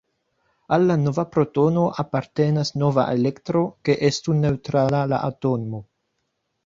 Al la nova protono apartenas nova elektro, ke estu neŭtrala la atomo.